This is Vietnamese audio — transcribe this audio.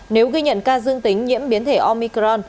nếu ghi nhận ca dương tính nhiễm biến thể omicron